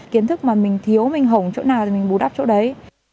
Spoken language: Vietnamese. kiến thức mà mình thiếu mình hổng chỗ nào thì mình bù đắp chỗ đấy